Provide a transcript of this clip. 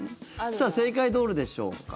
さあ、正解どれでしょうか？